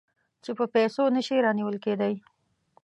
چې په پیسو نه شي رانیول کېدای.